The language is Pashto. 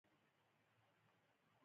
ازادي څه حدود لري؟